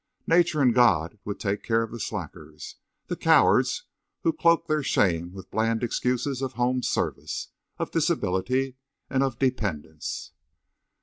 Nature and God would take care of the slackers, the cowards who cloaked their shame with bland excuses of home service, of disability, and of dependence.